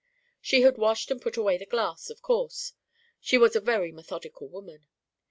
She had washed and put away the glass, of course; she was a very methodical woman.